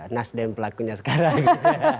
nasdem pelakunya sekarang gitu ya